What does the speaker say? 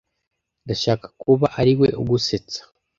Ndashaka kuba ariwe ugusetsa.